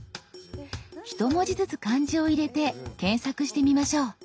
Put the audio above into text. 一文字ずつ漢字を入れて検索してみましょう。